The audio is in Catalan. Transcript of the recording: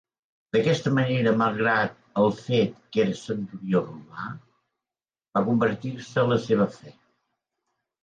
D'aquesta manera, malgrat el fet que era centurió romà, va convertir-se a la seva fe.